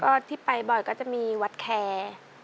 ก็ที่ไปบ่อยก็จะมีวัดแคร์